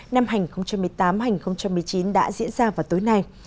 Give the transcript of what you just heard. năm hai nghìn một mươi tám hai nghìn một mươi chín đã diễn ra vào tối nay